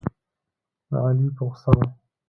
علي په غوسه و.